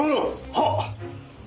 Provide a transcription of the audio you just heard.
はっ。